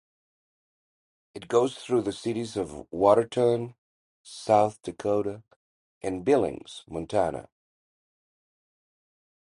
It goes through the cities of Watertown, South Dakota and Billings, Montana.